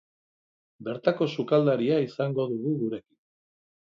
Bertako sukaldaria izango dugu gurekin.